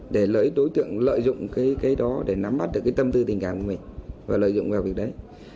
để lấy đối tượng lợi dụng cái đó để nắm bắt được cái tâm tư tình cảm của mình và lợi dụng vào việc đấy